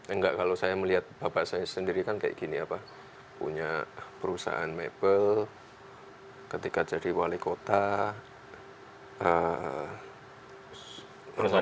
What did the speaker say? enggak kalau saya melihat bapak saya sendiri kan kayak gini apa punya perusahaan mebel ketika jadi wali kota